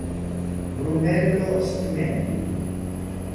Brunello Spinelli